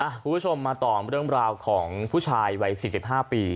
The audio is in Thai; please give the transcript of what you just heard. คุณผู้ชมมาต่อเรื่องราวของผู้ชายวัย๔๕ปี